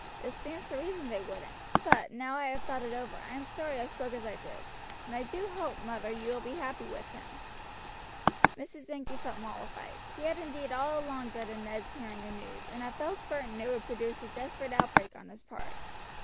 It stands to reason they wouldn't; but, now I have thought it over, I am sorry I spoke as I did, and I do hope, mother, you will be happy with him." Mrs. Sankey felt mollified. She had indeed all along dreaded Ned's hearing the news, and had felt certain it would produce a desperate outbreak on his part.